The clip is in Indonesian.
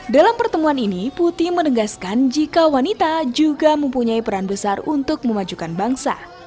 dalam pertemuan ini putih menegaskan jika wanita juga mempunyai peran besar untuk memajukan bangsa